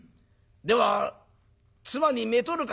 では妻にめとるか」。